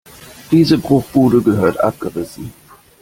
Diese Bruchbude gehört abgerissen.